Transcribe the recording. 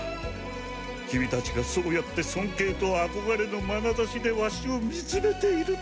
キミたちがそうやって尊敬とあこがれのまなざしでワシを見つめていると。